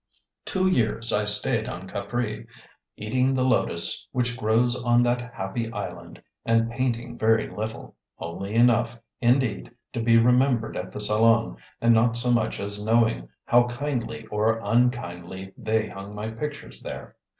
Two years I stayed on Capri, eating the lotus which grows on that happy island, and painting very little only enough, indeed, to be remembered at the Salon and not so much as knowing how kindly or unkindly they hung my pictures there.